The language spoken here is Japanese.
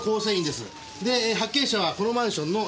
で発見者はこのマンションの。